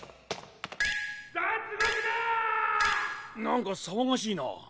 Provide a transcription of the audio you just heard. なんかさわがしいな。